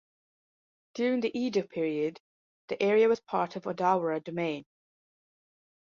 During the Edo period the area was part of Odawara Domain.